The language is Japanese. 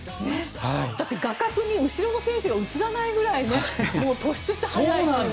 だって、画角に後ろの選手が映らないくらい突出して速いという。